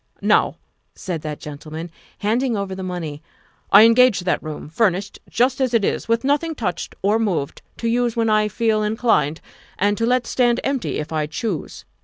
" Now," said that gentleman, handing over the money, " I engage that room, furnished just as it is, with nothing touched or moved, to use when I feel in clined and to let stand empty if I choose.